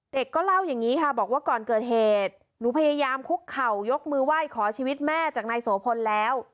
ก็เล่าอย่างนี้ค่ะบอกว่าก่อนเกิดเหตุหนูพยายามคุกเข่ายกมือไหว้ขอชีวิตแม่จากนายโสพลแล้ว